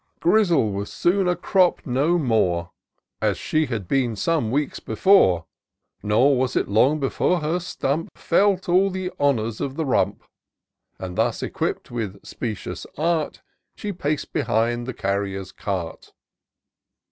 Grizzle was soon a crop no more. As she had been some weeks before ; Nor was it long before her stump Felt all the honours of the rump : And thus equipp'd with specious art, She pac'd behind the carrier's cart.